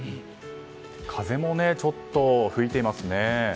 風も、ちょっと吹いていますね。